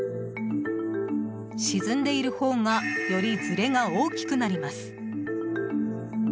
沈んでいるほうがよりずれが大きくなります。